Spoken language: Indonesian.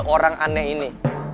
orang aneh ini